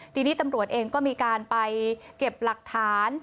ทีนี้ตำรวจเองก็มีการไปเก็บหลักฐาน